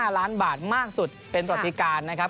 ๕ล้านบาทมากสุดเป็นประวัติการนะครับ